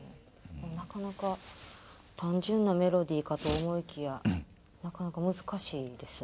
なかなか単純なメロディーかと思いきやなかなか難しいですね。